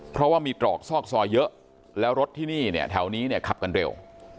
เพราะว่ามีตรอกซอกซอดเยอะแล้วรถแถวนี้ขับกันเร็ว